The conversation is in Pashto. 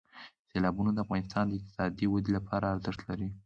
سیلابونه د افغانستان د اقتصادي ودې لپاره ارزښت لري.